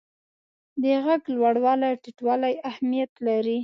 د ږغ لوړوالی او ټیټوالی اهمیت لري.